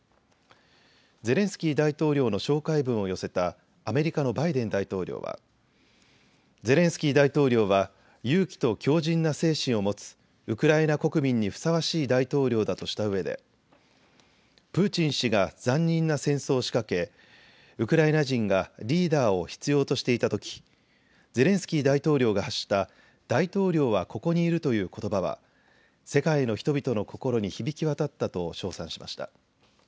ゼレンスキー大統領の紹介文を寄せたアメリカのバイデン大統領はゼレンスキー大統領は勇気と強じんな精神を持つウクライナ国民にふさわしい大統領だとしたうえでプーチン氏が残忍な戦争を仕掛けウクライナ人がリーダーを必要としていたときゼレンスキー大統領が発した大統領はここにいるということばは世界の人々の心に響き渡ったと称賛しました。